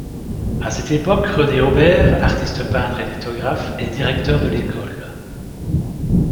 À cette époque René Aubert, artiste peintre et lithographe est directeur de l’École.